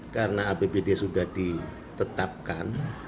karena apbd sudah ditetapkan